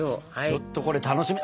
ちょっとこれ楽しみ。